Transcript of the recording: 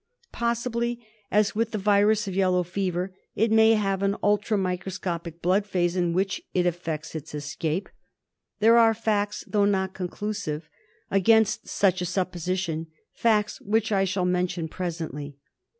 Possibly, as with the virus of yellow fever, it may have an ultra microscopic blood phase in which it effects its escape. There are facts, though not conclusive, against such a supposition, facts which I shall mention presently.